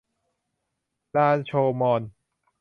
ลาโชว์มอญ